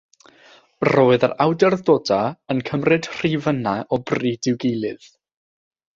Roedd yr awdurdodau yn cymryd rhifynnau o bryd i'w gilydd.